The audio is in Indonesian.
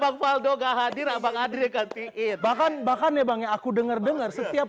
bang faldo enggak hadir abang adria gantiin bahkan bahkan memangnya aku denger dengar setiap